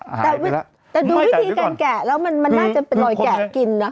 หายไปแล้วแต่ดูวิธีการแกะแล้วมันมันน่าจะเป็นหน่อยแกะกินน่ะ